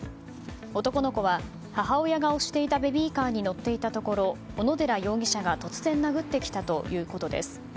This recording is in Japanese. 男の子は母親が押していたベビーカーに乗っていたところ小野寺容疑者が突然殴ってきたということです。